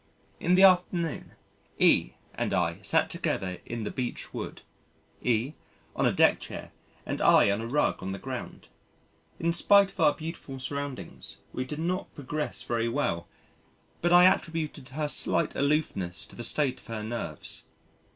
In the afternoon, E and I sat together in the Beech Wood: E on a deck chair and I on a rug on the ground. In spite of our beautiful surroundings we did not progress very well, but I attributed her slight aloofness to the state of her nerves.